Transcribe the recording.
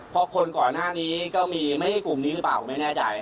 เพราะคนก่อนหน้านี้ก็มีไม่ใช่กลุ่มนี้หรือเปล่าไม่แน่ใจ